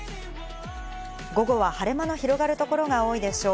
午後は晴れ間の広がる所が多いでしょう。